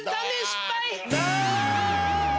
失敗。